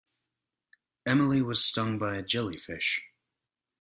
Emily was stung by a jellyfish.